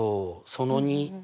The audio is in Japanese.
その２。